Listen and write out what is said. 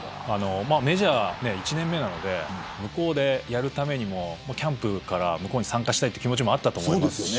メジャー１年目なんで向こうでやるためにキャンプから向こうに参加したい気持ちもあったと思います。